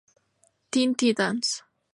Teen Titans".